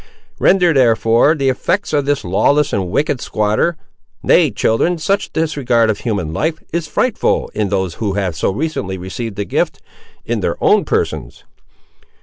Render, therefore, the effects of this lawless and wicked squatter,—nay, children, such disregard of human life, is frightful in those who have so recently received the gift, in their own persons!